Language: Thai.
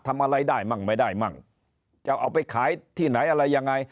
ทำอะไรได้มั่งไม่ได้มั่งจะเอาไปขายที่ไหนอะไรยังไง